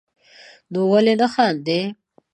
نو ولي نه خاندئ